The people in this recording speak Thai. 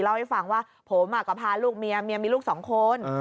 เล่าให้ฟังว่าผมก็พาลูกเมียเมียมีลูกสองคน